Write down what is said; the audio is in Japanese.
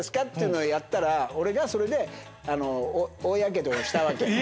っていうのをやったら俺がそれで大やけどをしたわけ。